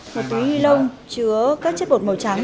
một túi ni lông chứa các chất bột màu trắng